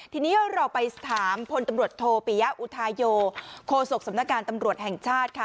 ทีนี้เราไปถามพตโธปียะอุทายโยโคสกสำนักการตำรวจแห่งชาติ